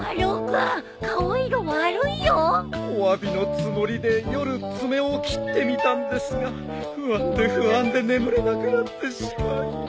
おわびのつもりで夜爪を切ってみたんですが不安で不安で眠れなくなってしまい。